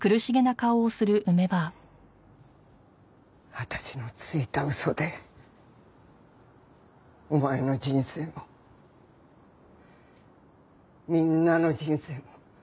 私のついた嘘でお前の人生もみんなの人生も狂わせてしまった。